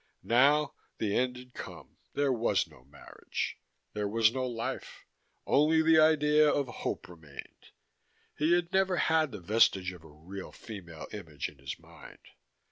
Now, the end had come: there was no marriage. There was no life. Only the idea of hope remained.) He had never had the vestige of a real female image in his mind.